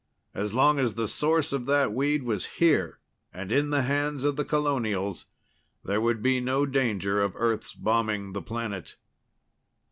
As long as the source of that weed was here, and in the hands of the colonials, there would be no danger of Earth's bombing the planet.